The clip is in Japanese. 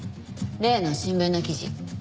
例の新聞の記事？